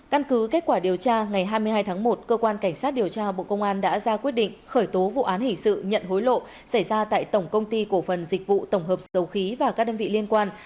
căn cứ kết quả điều tra ngày hai mươi hai tháng một cơ quan cảnh sát điều tra bộ công an đã ra quyết định khởi tố vụ án hình sự nhận hối lộ xảy ra tại tổng công ty cổ phần dịch vụ tổng hợp dầu khí và các đơn vị liên quan